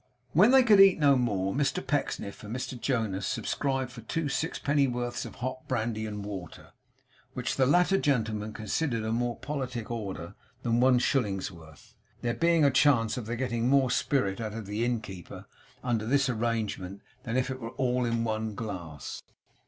When they could eat no more, Mr Pecksniff and Mr Jonas subscribed for two sixpenny worths of hot brandy and water, which the latter gentleman considered a more politic order than one shillingsworth; there being a chance of their getting more spirit out of the innkeeper under this arrangement than if it were all in one glass.